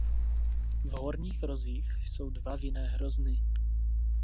V horních rozích jsou dva vinné hrozny.